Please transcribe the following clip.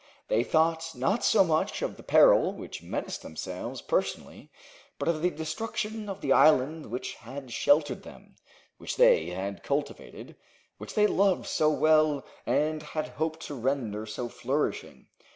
They thought not so much of the peril which menaced themselves personally, but of the destruction of the island which had sheltered them, which they had cultivated, which they loved so well, and had hoped to render so flourishing.